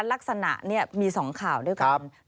ลักษณะนี้มี๒ข่าวด้วยกัน